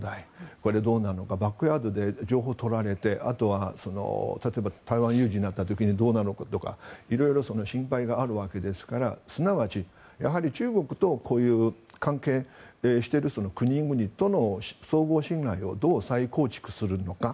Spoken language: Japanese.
これ、どうなのかバックヤードで情報を取られてあとは台湾有事になった時にどうなのかとか色々心配があるわけですからすなわち中国と関係している国々との相互信頼をどう再構築するのか。